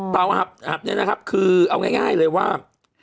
เตาหับนี้คือเอาง่ายเลยว่า